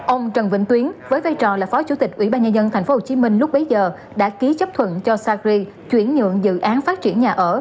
ông trần vĩnh tuyến với vai trò là phó chủ tịch ủy ban nhân dân tp hcm lúc bấy giờ